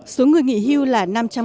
số người nghỉ hưu là năm trăm linh